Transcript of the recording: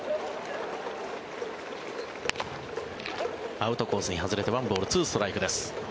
アウトコースに外れて１ボール２ストライクです。